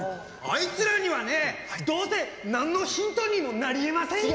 あいつらにはねどうせ何のヒントにもなりえませんよ。